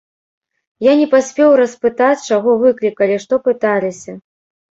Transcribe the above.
Я не паспеў распытаць, чаго выклікалі, што пыталіся.